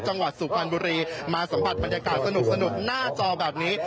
สุพรรณบุรีมาสัมผัสบรรยากาศสนุกหน้าจอแบบนี้